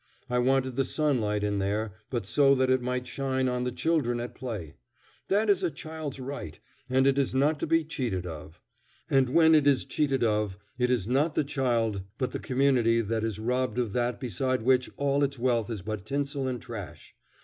I wanted the sunlight in there, but so that it might shine on the children at play. That is a child's right, and it is not to be cheated of it. And when it is cheated of it, it is not the child but the community that is robbed of that beside which all its wealth is but tinsel and trash.